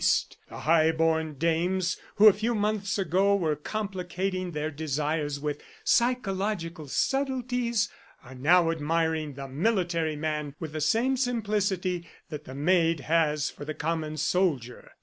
The high born dames who a few months ago were complicating their desires with psychological subtleties, are now admiring the military man with the same simplicity that the maid has for the common soldier.